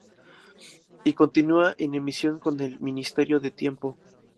Y continua en emisión con El Ministerio del Tiempo.